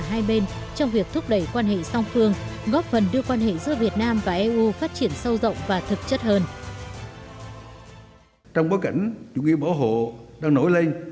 hai bên trong việc thúc đẩy quan hệ song phương góp phần đưa quan hệ giữa việt nam và eu phát triển sâu rộng và thực chất hơn